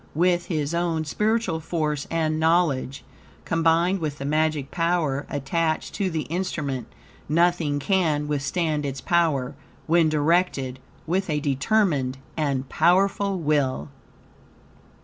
With his own spiritual force and knowledge, combined with the magic power attached to the instrument, nothing can withstand its power, when directed with a determined and powerful will.